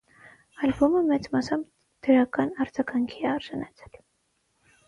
Ալբոմը մեծ մասամբ դրական արձագանքի է արժանացել։